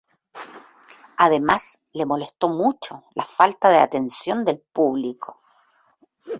Además, le molestó mucho la falta de atención del público.